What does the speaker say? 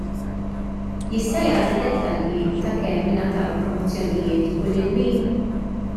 Jista' jagħti dettalji ta' kemm ingħataw promozzjonijiet u lil min?